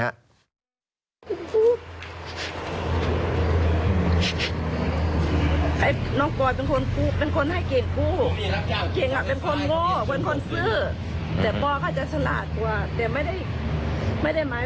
หากฆ่าก้อนใจเพิ่งว่าผู้ชายเป็นคนขี้หึงมาก